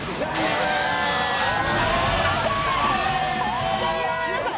本当にごめんなさい。